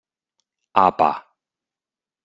Apa!